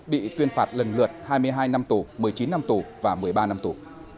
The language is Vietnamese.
bị tuyên phạt lần lượt hai mươi hai năm tù một mươi chín năm tù và một mươi ba năm tù